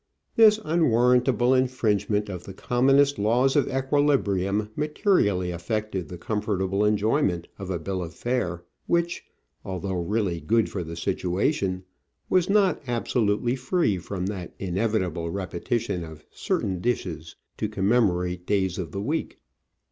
This unwarrantable infringement of the commonest laws of equilibrium materially af fected the comfortable enjoyment of a bill of fare which, although really good for the situation, was not absolutely free from that inevitable repetition of cer tain dishes to commemorate days of the week.